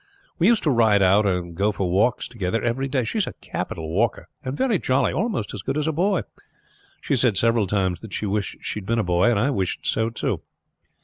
We used to ride out or go for walks together every day. She was a capital walker, and very jolly almost as good as a boy. She said several times that she wished she had been a boy, and I wished so too.